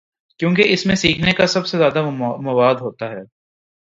کیونکہ اس میں سیکھنے کا سب سے زیادہ مواد ہو تا ہے۔